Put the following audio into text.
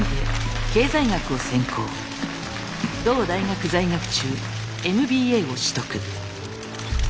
同大学在学中ＭＢＡを取得。